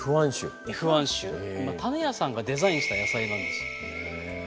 種屋さんがデザインした野菜なんです。